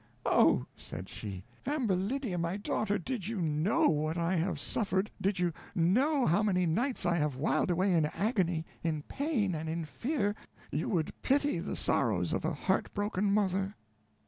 "Oh!" said she, "Ambulinia, my daughter, did you know what I have suffered did you know how many nights I have whiled away in agony, in pain, and in fear, you would pity the sorrows of a heartbroken mother."